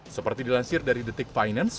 seperti dilansir dari detik finance